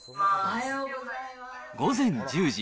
午前１０時。